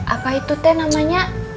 apa itu teh namanya